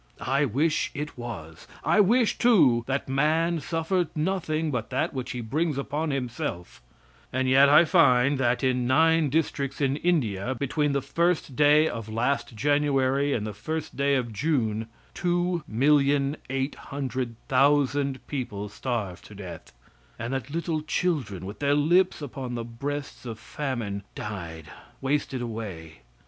I wish it was. I wish, too, that man suffered nothing but that which he brings upon himself and yet I find that in nine districts in India, between the 1st day of last January and the 1st day of June, 2,800,000 people starved to death, and that little children, with their lips upon the breasts of famine, died, wasted away.